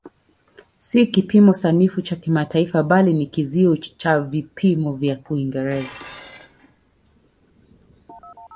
Si kipimo sanifu cha kimataifa bali ni kizio cha vipimo vya Uingereza.